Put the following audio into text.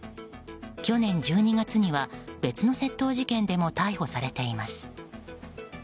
去年１２月には別の窃盗事件でも逮捕されています。